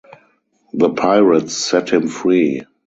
The pirates set him free.